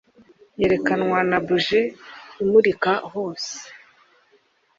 Yerekanwa na buji imurika hose